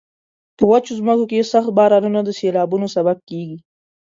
په وچو ځمکو کې سخت بارانونه د سیلابونو سبب کیږي.